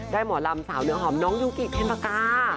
หมอลำสาวเนื้อหอมน้องยูกิเพ็ญปากา